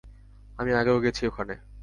আমি আগেও গেছি ওখানে।